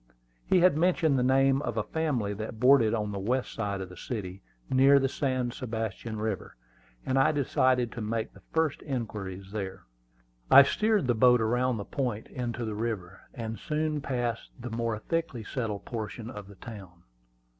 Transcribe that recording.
He had mentioned the name of a family that boarded on the west side of the city, near the San Sebastian River, and I decided to make the first inquiries there. I steered the boat around the point into the river, and soon passed the more thickly settled portion of the town.